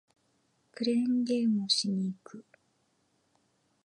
クレーンゲームをしに行く